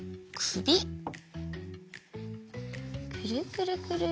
くるくるくる。